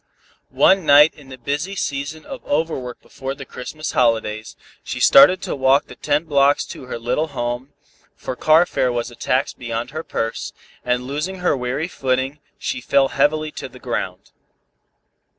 One night in the busy season of overwork before the Christmas holidays, she started to walk the ten blocks to her little home, for car fare was a tax beyond her purse, and losing her weary footing, she fell heavily to the ground.